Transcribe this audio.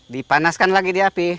dipanaskan lagi di api